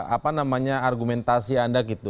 apa namanya argumentasi anda